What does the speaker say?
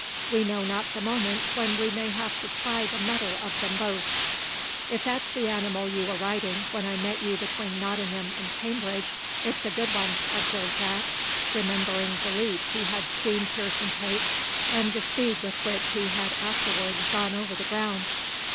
We know not the moment when we may have to try the metal of them both." "If that's the animal you were riding when I met you between Nottingham and Cambridge, it's a good one," observed Jack, remembering the leap he had seen Pearson take, and the speed with which he had afterwards gone over the ground.